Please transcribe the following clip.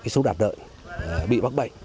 số đạp lợn bị mắc bệnh